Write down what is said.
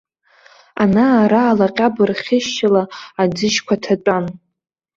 Ана-ара алаҟьаб рхышьшьыла аӡыжьқәа ҭатәан.